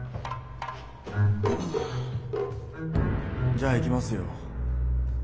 じゃあいきますよ。